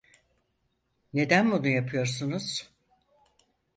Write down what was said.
Neden bunu yapıyorsunuz?